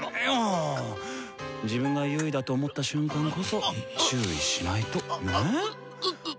自分が優位だと思った瞬間こそ注意しないとネェ？